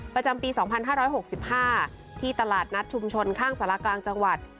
ประจำปีสองพันห้าร้อยหกสิบห้าที่ตลาดนัดชุมชนข้างสถาลกลางจังหวัด